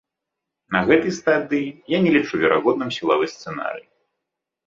На гэтай стадыі я не лічу верагодным сілавы сцэнарый.